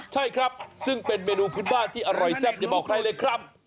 ใช่ครับซึ่งเป็นเมนูพื้นบ้านที่อร่อยแซ่บอย่าบอกใครเลยครับ